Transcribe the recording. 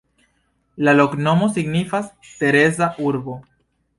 La loknomo signifas: Tereza-urbo.